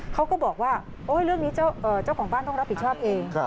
เขาก็บอกว่าเรื่องนี้เจ้าของบ้านต้องรับผิดชอบเอง